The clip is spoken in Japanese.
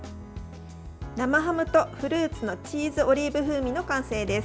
生ハムとフルーツのチーズオリーブ風味の完成です。